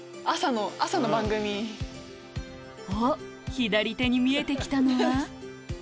左手に見えてきたのは？